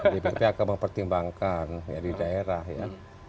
dpp akan mempertimbangkan ya di daerah ya